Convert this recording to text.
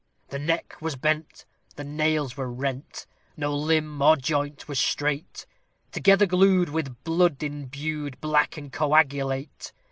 The neck was bent, the nails were rent, no limb or joint was straight; Together glued, with blood imbued, black and coagulate.